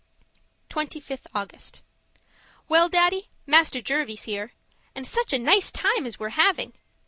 25th August Well, Daddy, Master Jervie's here. And such a nice time as we're having!